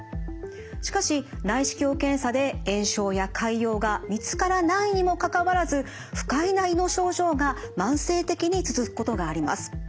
しかし内視鏡検査で炎症や潰瘍が見つからないにもかかわらず不快な胃の症状が慢性的に続くことがあります。